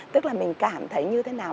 tức là mình cảm thấy như thế nào